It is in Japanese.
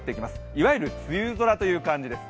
いわゆる梅雨空という感じです。